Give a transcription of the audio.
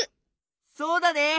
そうだね！